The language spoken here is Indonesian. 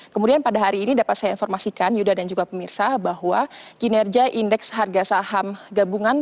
kemudian pada hari ini dapat saya informasikan yuda dan juga pemirsa bahwa kinerja indeks harga saham gabungan